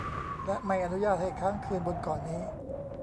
และไม่อนุญาตให้ค้างคืนบนเกาะนี้